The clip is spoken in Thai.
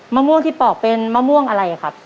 มะม่วงที่ปอกเป็นมะม่วงอะไรครับ